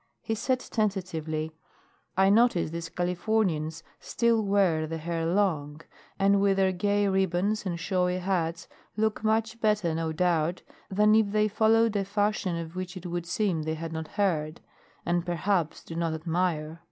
He said tentatively: "I notice these Californians still wear the hair long; and with their gay ribbons and showy hats look much better no doubt than if they followed a fashion of which it would seem they had not heard and perhaps do not admire.